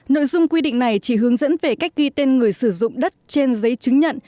nội dung quy định này chỉ hướng dẫn về cách ghi tên người sử dụng đất trên giấy chứng nhận